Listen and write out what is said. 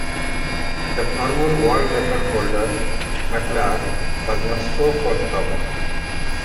The former world record holder MacLaren was not so forthcoming.